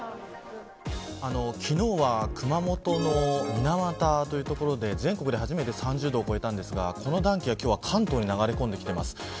昨日は熊本の水俣というところで全国で初めて３０度を超えましたがこの暖気は関東に流れ込んできています。